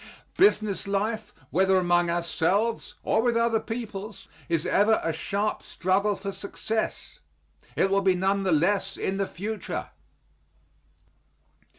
Business life, whether among ourselves, or with other peoples, is ever a sharp struggle for success. It will be none the less in the future.